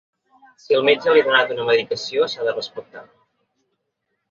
Si el metge li ha donat una medicació s’ha de respectar.